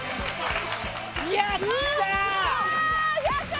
やったー！